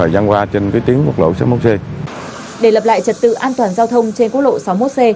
để lập lại trật tự an toàn giao thông trên quốc lộ sáu mươi một c